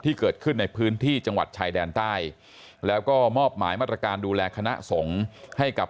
ที่เกิดขึ้นในพื้นที่จังหวัดชายแดนใต้แล้วก็มอบหมายมาตรการดูแลคณะสงฆ์ให้กับ